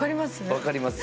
分かります。